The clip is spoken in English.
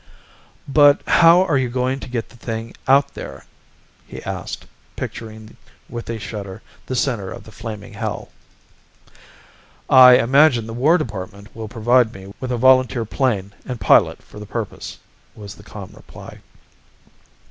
"But how are you going to get the thing out there?" he asked, picturing with a shudder the center of the flaming hell. "I imagine the War Department will provide me with a volunteer plane and pilot for the purpose," was the calm reply.